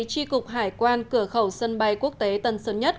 tri cục hải quan cửa khẩu sân bay quốc tế tân sơn nhất